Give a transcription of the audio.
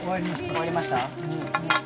終わりました？